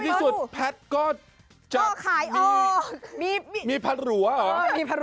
ในที่สุดแพทก็จะมีผัดหลัวเหรอ